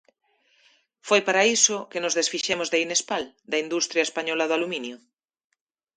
Foi para iso que nos desfixemos de Inespal, da industria española do aluminio?